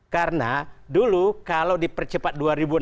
karena dulu kalau dipercepat dua ribu enam belas